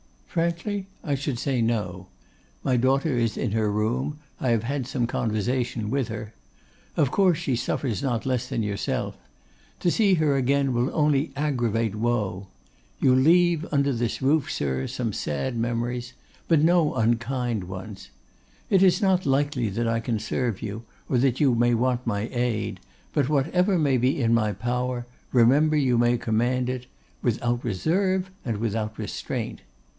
'Frankly, I should say, no. My daughter is in her room; I have had some conversation with her. Of course she suffers not less than yourself. To see her again will only aggravate woe. You leave under this roof, sir, some sad memories, but no unkind ones. It is not likely that I can serve you, or that you may want my aid; but whatever may be in my power, remember you may command it; without reserve and without restraint.